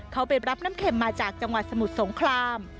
เขาไปรับน้ำเข็มมาจากจังหวัดสมุทรสงคราม